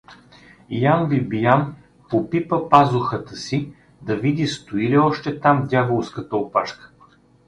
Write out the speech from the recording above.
Ян Бибиян попипа пазухата си, да види стои ли още там дяволската опашка.